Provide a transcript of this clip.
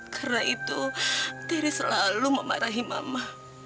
karena itu terry selalu memarahi mama